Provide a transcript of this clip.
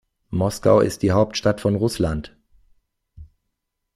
Moskau ist die Hauptstadt von Russland.